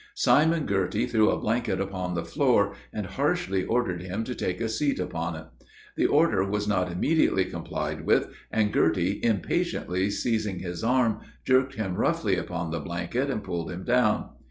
Simon Girty threw a blanket upon the floor, and harshly ordered him to take a seat upon it. The order was not immediately complied with, and Girty impatiently seizing his arm, jerked him roughly upon the blanket, and pulled him down.